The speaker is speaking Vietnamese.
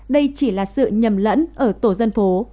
đây chỉ là sự nhầm lẫn ở tổ dân phố